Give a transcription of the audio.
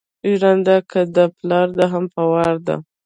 ژرنده که دې پلار ده هم په وار ده.